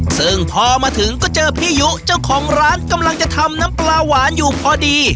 ซึ่งพอมาถึงก็เจอพี่ยุเจ้าของร้านกำลังจะทำน้ำปลาหวานอยู่พอดี